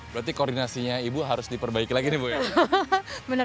berarti koordinasinya ibu harus diperbaiki lagi nih bu ya